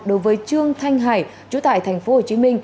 đối với trương thanh hải chủ tại tp hcm